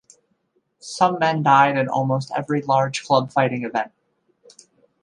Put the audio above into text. Some men died in almost every large clubfighting event.